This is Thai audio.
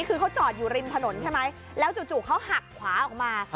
คือเขาจอดอยู่ริมถนนใช่ไหมแล้วจู่เขาหักขวาออกมา